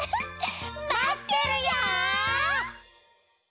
まってるよ！